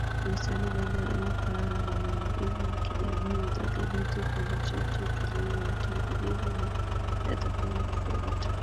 Uhusiano baina ya Iugha na maumbile ya kijamii utathibiti kwa machache tuliyoyatanguliza na yatakayofuata